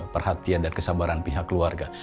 perhatian dan kesabaran pihak keluarga